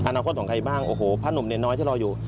อนาคตของใครบ้างโอ้โหพระหนุ่มเนรน้อยที่รออยู่